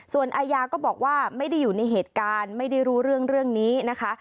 ส่วนอายาก็บอกว่าไม่ได้อยู่ในเหตุการณ์ไม่ได้รู้เรื่องนี้นะคะ